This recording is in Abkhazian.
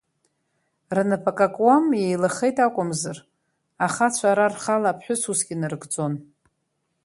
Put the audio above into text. Рнап ак амкуа еилахеит акәымзар, ахацәа ара рхала аԥҳәыс усгьы нарыгӡон.